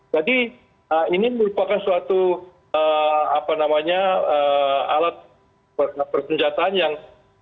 jadi ini merupakan suatu alat persenjataan yang